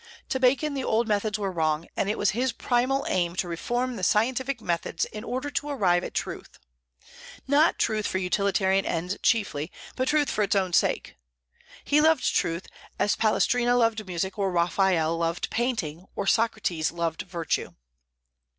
To Bacon the old methods were wrong, and it was his primal aim to reform the scientific methods in order to arrive at truth; not truth for utilitarian ends chiefly, but truth for its own sake. He loved truth as Palestrina loved music, or Raphael loved painting, or Socrates loved virtue.